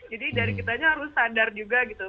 jadi dari kitanya harus sadar juga gitu